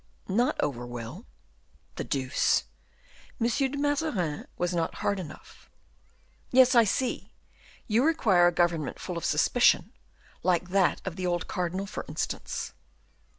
"Not over well." "The deuce!" "M. de Mazarin was not hard enough." "Yes, I see; you require a government full of suspicion like that of the old cardinal, for instance."